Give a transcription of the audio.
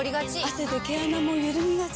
汗で毛穴もゆるみがち。